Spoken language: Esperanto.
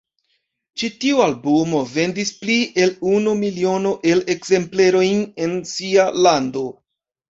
Ĉi tiu albumo vendis pli el unu miliono el ekzemplerojn en sia lando.